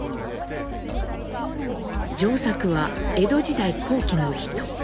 丈作は江戸時代後期の人。